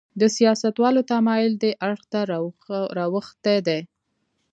د سیاستوالو تمایل دې اړخ ته راوښتی دی.